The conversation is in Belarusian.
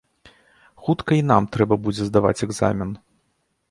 Хутка і нам трэба будзе здаваць экзамен.